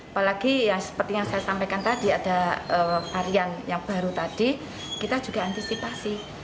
apalagi ya seperti yang saya sampaikan tadi ada varian yang baru tadi kita juga antisipasi